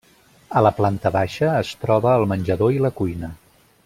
A la planta baixa es troba el menjador i la cuina.